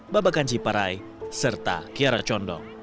babakan ciparai serta kiara condong